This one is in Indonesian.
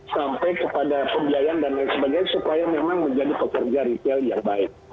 sampai kepada pembiayaan dan lain sebagainya supaya memang menjadi pekerja retail yang baik